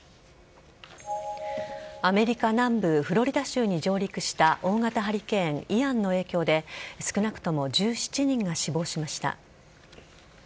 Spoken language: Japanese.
アメリカ南部フロリダ州に上陸した大型ハリケーン・イアンの影響で少なくとも１７人が死亡しました。